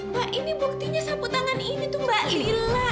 pak ini buktinya sapu tangan ini tuh mbak lila